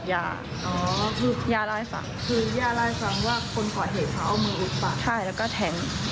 ต่อยท้องเลยค่ะ